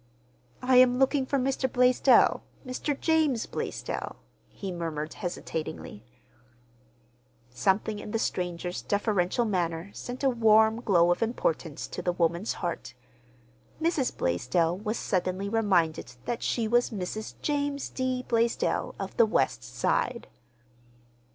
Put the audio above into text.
"I am looking for Mr. Blaisdell—Mr. James Blaisdell," he murmured hesitatingly. Something in the stranger's deferential manner sent a warm glow of importance to the woman's heart. Mrs. Blaisdell was suddenly reminded that she was Mrs. James D. Blaisdell of the West Side.